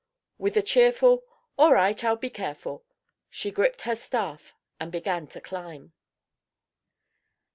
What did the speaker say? With a cheerful "All right, I'll be careful," she gripped her staff and began to climb.